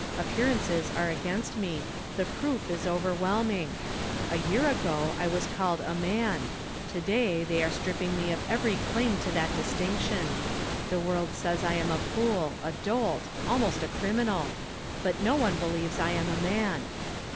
Appearances are against me, the proof is overwhelming. A year ago I was called a man, to day they are stripping me of every claim to that distinction. The world says I am a fool, a dolt, almost a criminal but no one believes I am a man.